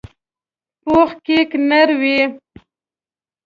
پوخ کیک نر وي